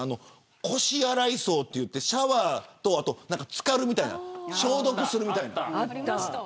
腰洗い槽といってシャワーと、浸かるみたいな消毒するみたいな。